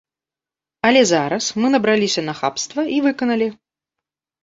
Але зараз мы набраліся нахабства і выканалі.